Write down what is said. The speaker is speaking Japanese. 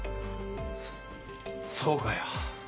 そそうかよ。